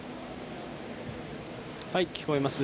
はい、聞こえます。